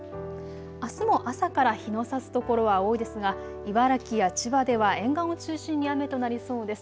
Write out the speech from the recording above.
あすも朝から日のさす所は多いですが茨城や千葉では沿岸を中心に雨となりそうです。